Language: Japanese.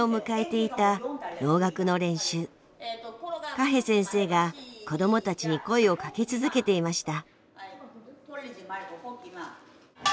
カヘ先生が子どもたちに声をかけ続けていました。